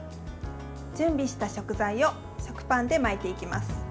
準備した食材を食パンで巻いていきます。